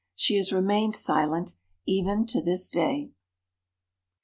She has remained silent even to this day.